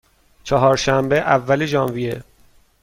چهارشنبه، اول ژانویه